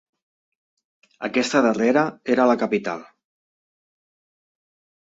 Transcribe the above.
Aquesta darrera era la capital.